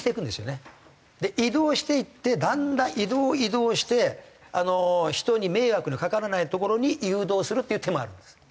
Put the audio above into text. で移動していってだんだん移動移動して人に迷惑のかからない所に誘導するっていう手もあるんです。